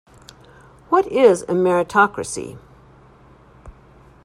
What is a meritocracy?